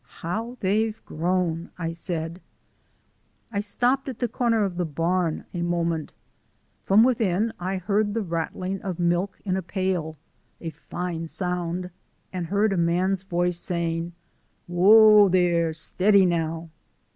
"How they've grown!" I said. I stopped at the corner of the barn for a moment. From within I heard the rattling of milk in a pail (a fine sound), and heard a man's voice saying: "Whoa, there! Stiddy now!"